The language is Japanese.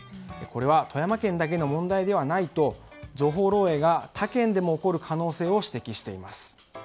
これは富山県だけの問題ではないと情報漏洩が他県でも起こる可能性を指摘しています。